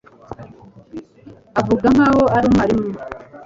Avuga nkaho ari umwarimu.